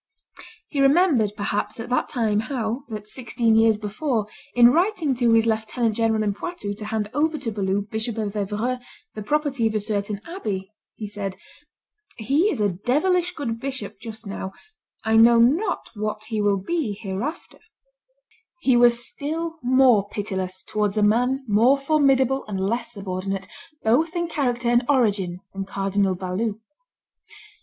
He remembered, perhaps, at that time how that, sixteen years before, in writing to his lieutenant general in Poitou to hand over to Balue, Bishop of Evreux, the property of a certain abbey, he said, "He is a devilish good bishop just now; I know not what he will be here after." [Illustration: The Balue Cage 245] He was still more pitiless towards a man more formidable and less subordinate, both in character and origin, than Cardinal Balue.